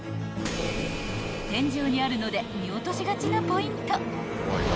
［天井にあるので見落としがちなポイント］